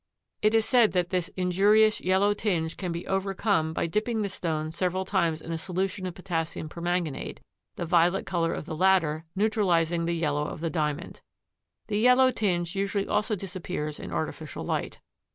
It is said that this injurious yellow tinge can be overcome by dipping the stone several times in a solution of potassium permanganate, the violet color of the latter neutralizing the yellow of the Diamond. The yellow tinge usually also disappears in artificial light.